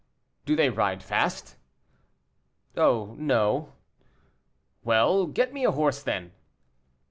"Do they ride fast?" "Oh no." "Well, get me a horse then."